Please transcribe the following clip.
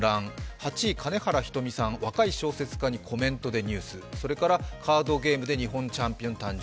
８位、金原ひとみさん、若い小説家にコメントでニュース、それからカードゲームで日本チャンピオン誕生。